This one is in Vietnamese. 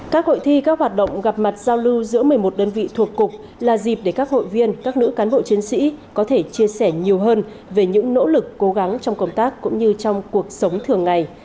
các hội thi các hoạt động gặp mặt giao lưu giữa một mươi một đơn vị thuộc cục là dịp để các hội viên các nữ cán bộ chiến sĩ có thể chia sẻ nhiều hơn về những nỗ lực cố gắng trong công tác cũng như trong cuộc sống thường ngày